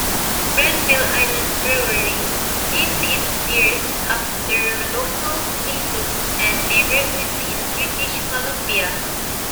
Granville Island Brewery names its beers after local places and neighbourhoods in British Columbia.